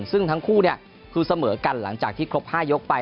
ซึ่งทั้งคู่คือเสมอกันหลังจากที่ครบ๕ยกไป